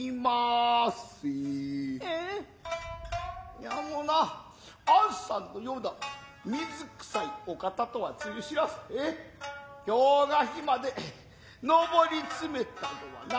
いやもうなあんさんのような水くさいお方とは露知らず今日が日までのぼりつめたのはな